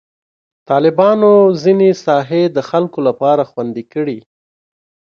طالبانو ځینې ساحې د خلکو لپاره خوندي کړي.